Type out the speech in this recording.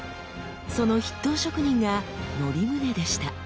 その筆頭職人が則宗でした。